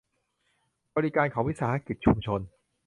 บริการของวิสาหกิจชุมชน